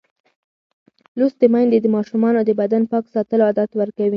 لوستې میندې د ماشومانو د بدن پاک ساتلو عادت ورکوي.